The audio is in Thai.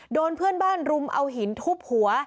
โดนเพื่อนบ้านรุมเอาหินทุบหัว